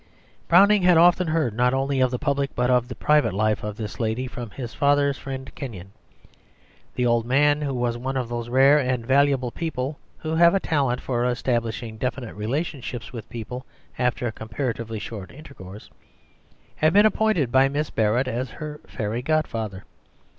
Browning had often heard not only of the public, but of the private life of this lady from his father's friend Kenyon. The old man, who was one of those rare and valuable people who have a talent for establishing definite relationships with people after a comparatively short intercourse, had been appointed by Miss Barrett as her "fairy godfather."